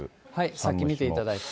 さっき見ていただいた。